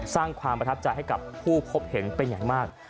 สร้างความประทับใจให้กับผู้พบเห็นเป็นอย่างมาก